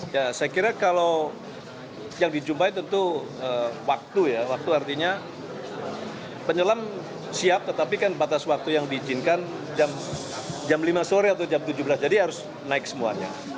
ya saya kira kalau yang dijumpai tentu waktu ya waktu artinya penyelam siap tetapi kan batas waktu yang diizinkan jam lima sore atau jam tujuh belas jadi harus naik semuanya